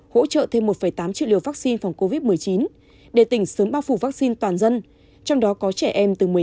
hỗ trợ thêm một tám triệu liều vaccine phòng covid một mươi chín để tỉnh sớm bao phủ vaccine toàn dân trong đó có trẻ em từ một mươi hai đến một mươi bảy tuổi